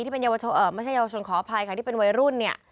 ที่เป็นเยาวชนขออภัยค่ะที่เป็นวัยรุ่น